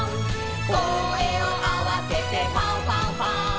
「こえをあわせてファンファンファン！」